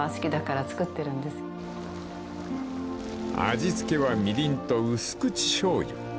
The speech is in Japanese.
［味付けはみりんと薄口しょうゆ］